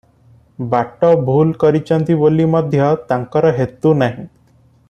ବାଟ ଭୁଲ କରିଚନ୍ତି ବୋଲି ମଧ୍ୟ ତାଙ୍କର ହେତୁ ନାହିଁ ।